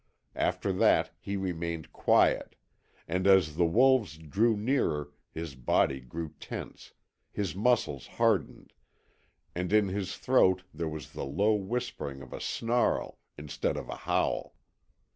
After that he remained quiet, and as the wolves drew nearer his body grew tense, his muscles hardened, and in his throat there was the low whispering of a snarl instead of a howl.